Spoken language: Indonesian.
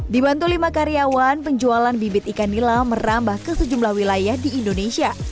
dibantu lima karyawan penjualan bibit ikan nila merambah ke sejumlah wilayah di indonesia